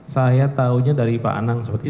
saya tahunya dari pak anang sepertinya